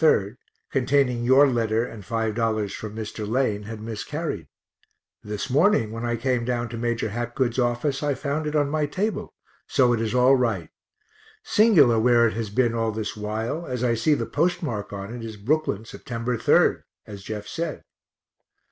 3rd, containing your letter and $5 from Mr. Lane, had miscarried this morning when I came down to Major Hapgood's office I found it on my table, so it is all right singular where it has been all this while, as I see the postmark on it is Brooklyn, Sept. 3, as Jeff said.